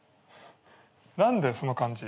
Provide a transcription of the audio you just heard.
何だよその感じ。